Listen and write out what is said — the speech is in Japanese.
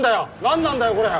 何なんだよこれ。